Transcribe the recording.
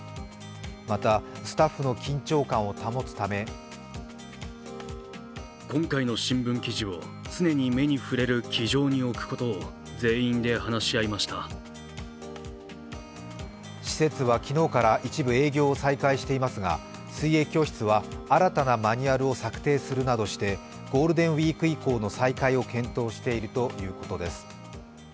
またスタッフの緊張感を保つため施設は昨日から一部営業を再開していますが水泳教室は新たなマニュアルを作成するなどしてゴールデンウイーク以降の再開を検討しているということです。